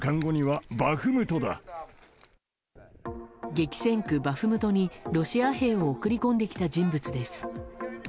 激戦区バフムトに、ロシア兵を送り込んできた人物です。